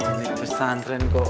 ini pesan tren kok